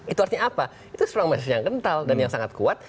itu artinya apa itu seorang message yang kental dan yang sangat kuat